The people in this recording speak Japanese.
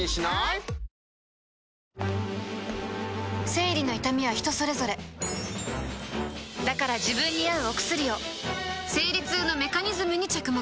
生理の痛みは人それぞれだから自分に合うお薬を生理痛のメカニズムに着目